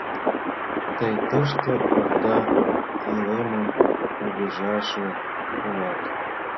— Тый тыште овда илемын кугыжаже улат.